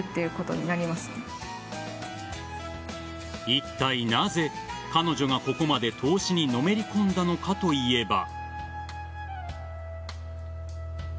いったいなぜ、彼女がここまで投資にのめり込んだのかといえば。